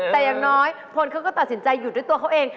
แต่อย่างน้อยพลเขาก็ตัดสินใจหยุดด้วยตัวเขาเอง